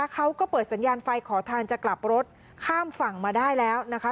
เขาก็เปิดสัญญาณไฟขอทางจะกลับรถข้ามฝั่งมาได้แล้วนะคะ